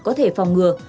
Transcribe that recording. có thể phòng ngừa